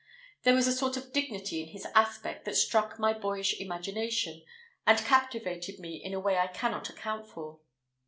There was a sort of dignity in his aspect that struck my boyish imagination, and captivated me in a way I cannot account for.